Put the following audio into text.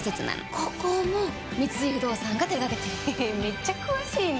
ここも三井不動産が手掛けてるのめっちゃ詳しいね！